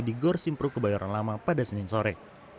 di gor simpruk kebayoran lama pada senin sore